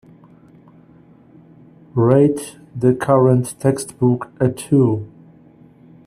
Rate the current textbook a two